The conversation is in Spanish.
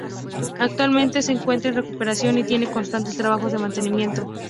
Actualmente se encuentra en recuperación y tiene constantes trabajos de mantenimiento.